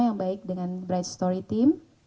yang baik dengan bright story team